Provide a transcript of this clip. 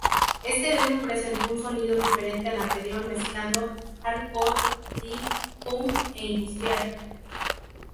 Este demo presentó un sonido diferente al anterior, mezclando "Hardcore", "Death", "Punk" e "Industrial".